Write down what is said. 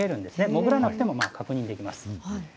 潜らなくても確認できます。